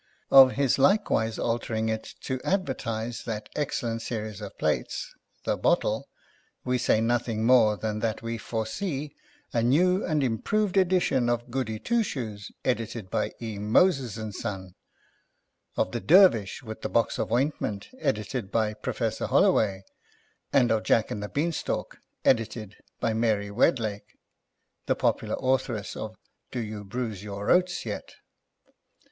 Of his likewise altering it to advertise that excellent series of plates, " The Bottle," we say nothing more than that we foresee a new and im proved edition of Goody Two Shoes, edited by E. Moses and Son ; of the Dervish with the box of ointment, edited by Professor Holloway; and of Jack and the Beanstalk edited by Mary Wedlake, the popular authoress of Do you bruise your oats yet.